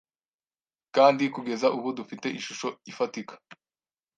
kandi kugeza ubu dufite ishusho ifatika